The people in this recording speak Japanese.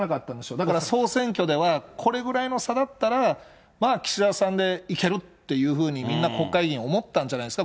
だから総選挙では、これぐらいの差だったら、まあ岸田さんでいけるというふうに、みんな国会議員思ったんじゃないですか。